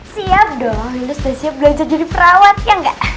siap dong itu sudah siap belajar jadi perawat ya gak